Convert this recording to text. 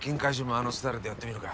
あのスタイルでやってみるか。